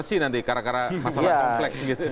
bersih nanti karena masalah kompleks gitu